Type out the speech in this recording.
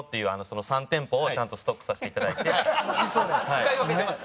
使い分けてます。